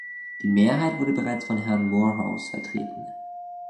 Die Mehrheit wurde bereits von Herrn Moorhouse vertreten.